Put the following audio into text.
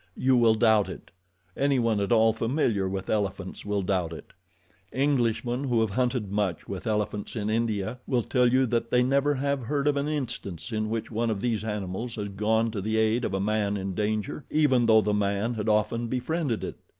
You will doubt it. Anyone at all familiar with elephants will doubt it. Englishmen who have hunted much with elephants in India will tell you that they never have heard of an instance in which one of these animals has gone to the aid of a man in danger, even though the man had often befriended it.